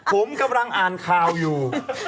ผมกำลังอ่านข่าวอยู่